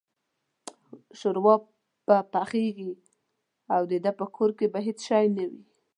شوروا به پخېږي او دده په کور کې به هېڅ شی نه وي.